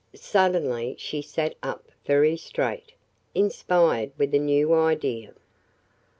Suddenly she sat up very straight, inspired with a new idea.